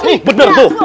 ih bener tuh